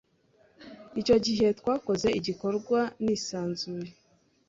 Icyo gihe twakoze igikorwa nisanzuye,